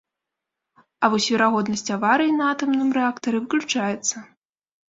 А вось верагоднасць аварыі на атамным рэактары выключаецца.